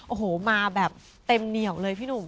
โอ้โหมาแบบเต็มเหนียวเลยพี่หนุ่ม